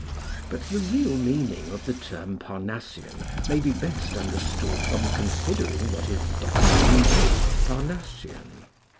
But the real meaning of the term Parnassian may be best understood from considering what is definitely not Parnassian.